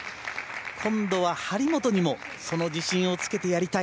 今度は、張本にもその自信をつけてやりたい。